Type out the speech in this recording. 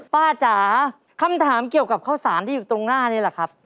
จ๋าคำถามเกี่ยวกับข้าวสารที่อยู่ตรงหน้านี้แหละครับ